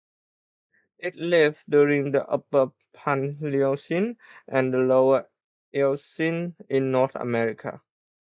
It lived during the Upper Paleocene and the Lower Eocene in North America.